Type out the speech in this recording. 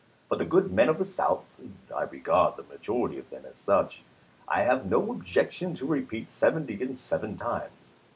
For the good men of the South — and I regard the majority of them as such — I have no objection to repeat seventy and seven times.